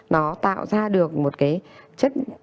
nó tạo ra được một cái chất